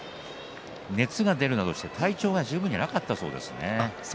熱が出るなどして体調が十分じゃなかったそうです。